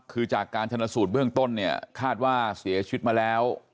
คือจากการชนสูตรเบื้องต้นเนี่ยคาดว่าเสียชีวิตมาแล้ว